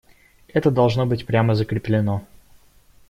Это должно быть прямо закреплено.